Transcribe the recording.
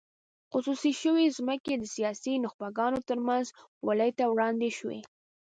خصوصي شوې ځمکې د سیاسي نخبګانو ترمنځ بولۍ ته وړاندې شوې.